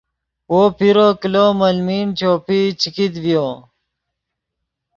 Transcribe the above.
وو پیرو کلو ملمین چوپئی چے کیت ڤیو